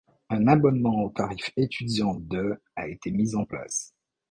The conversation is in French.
Un abonnement au tarif étudiant de a été mis en place.